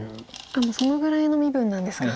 あっもうそのぐらいの身分なんですか。